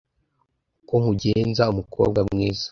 uko nkugenza umukobwa mwiza